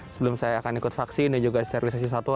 sebelum saya akan ikut vaksin dan juga sterilisasi satwa